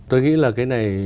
tôi nghĩ là cái này